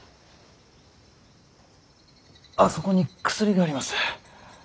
あそこに薬があります。